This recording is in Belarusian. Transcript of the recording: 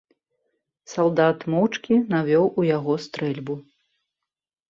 Салдат моўчкі навёў у яго стрэльбу.